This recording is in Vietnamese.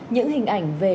những hình ảnh về